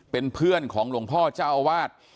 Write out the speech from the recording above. เป็นเพื่อนของหลวงพ่อเจ้าอาวาส